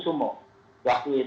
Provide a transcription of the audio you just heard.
alurnya sudah benar